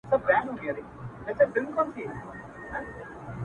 زه د خوارۍ در ته ژاړم، ته مي د خولې پېښې کوې.